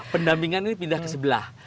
pendampingan ini pindah ke sebelah